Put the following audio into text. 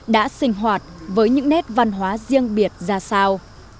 đã sinh hoạt với những nét văn hóa riêng biệt ra sao